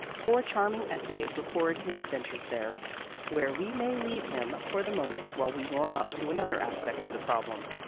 Four charming essays record his adventures there, where we may leave him for the moment while we warm up to another aspect of the problem.